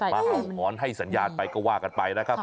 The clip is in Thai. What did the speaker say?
เห่าหอนให้สัญญาณไปก็ว่ากันไปนะครับ